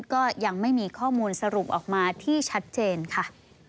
ก็ยังไม่มีข้อมูลสรุปออกมาที่ชัดเจนค่ะ